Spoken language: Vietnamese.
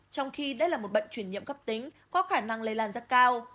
trong khi đây là một bệnh chuyển nhiễm cấp tính có khả năng lây lan rất cao